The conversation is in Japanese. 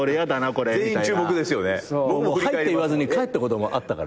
はいって言わずに帰ったこともあったからね昔。